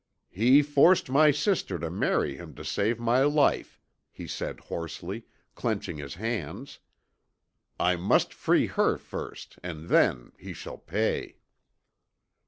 "'He forced my sister to marry him to save my life.' he said hoarsely, clenching his hands. 'I must free her first and then he shall pay.'